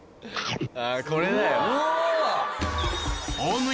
これだよ。